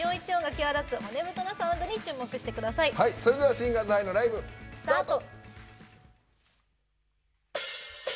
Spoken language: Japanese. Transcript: シンガーズハイのライブ、スタート。